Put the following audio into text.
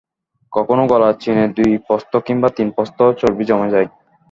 কখনো গলার চিনে দুই প্রস্থ কিংবা তিন প্রস্থও চর্বি জমে যায়।